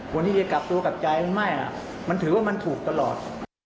ควรที่จะกลับตัวกับใจมันถือว่ามันถูกตลอด